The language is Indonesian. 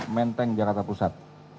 menteng jakarta pusat